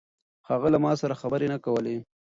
هغه له ما سره خبرې نه کولې.